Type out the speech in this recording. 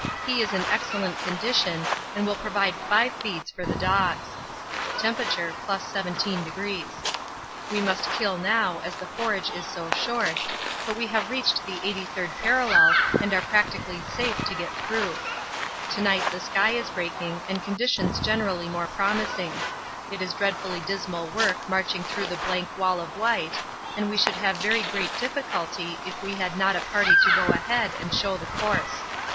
He is in excellent condition and will provide five feeds for the dogs. (Temp. + 17°.) We must kill now as the forage is so short, but we have reached the 83rd parallel and are practically safe to get through. To night the sky is breaking and conditions generally more promising it is dreadfully dismal work marching through the blank wall of white, and we should have very great difficulty if we had not a party to go ahead and show the course.